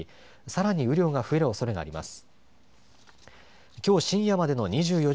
さらに雨量が増えるおそれがあります。